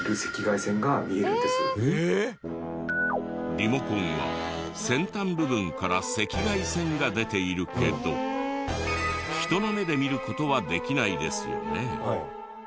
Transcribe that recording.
リモコンは先端部分から赤外線が出ているけど人の目で見る事はできないですよね。